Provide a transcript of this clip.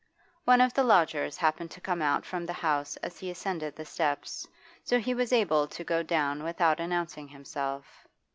One of the lodgers happened to come out from the house as he ascended the steps, so he was able to go down without announcing himself.